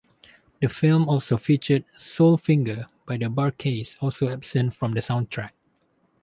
The film also featured "Soul Finger," by the Bar-Kays, also absent from the soundtrack.